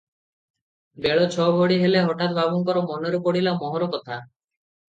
ବେଳ ଛ ଘଡ଼ି ବେଳେ ହଠାତ୍ ବାବୁଙ୍କର ମନରେ ପଡ଼ିଲା ମୋହର କଥା ।